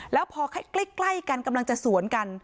แล้วพอใกล้กันกำลังจะสวนกัน